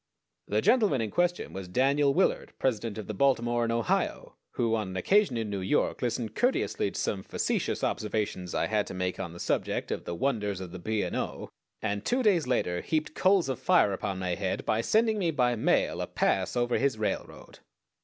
The gentleman in question was Daniel Willard, president of the Baltimore & Ohio, who on an occasion in New York listened courteously to some facetious observations I had to make on the subject of the wonders of the B. & O., and two days later heaped coals of fire upon my head by sending me by mail a pass over his railroad.